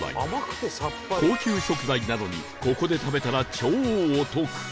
高級食材なのにここで食べたら超お得